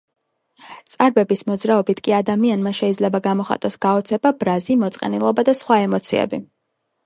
წარბების მოძრაობით კი ადამიანმა შეიძლება გამოხატოს გაოცება, ბრაზი, მოწყენილობა და სხვა ემოციები.